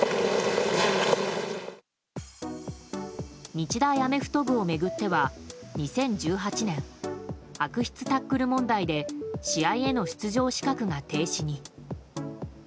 日大アメフト部を巡っては２０１８年悪質タックル問題で試合への出場資格が停止に。